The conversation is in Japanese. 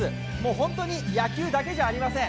本当に野球だけじゃありません。